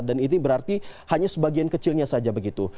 dan ini berarti hanya sebagian kecilnya saja begitu